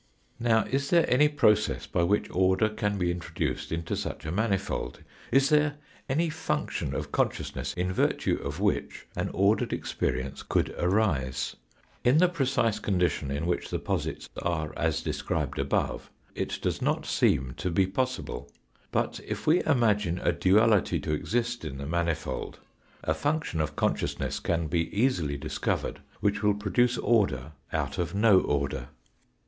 Now is there any process by which order can be intro duced into such a manifold is there any function of consciousness in virtue of which an ordered experience could arise ? In the precise condition in which the posits are, as described above, it does not seem to be possible. But if we imagine a duality to exist in the manifold, a function of consciousness can be easily discovered which will produce order out of no order.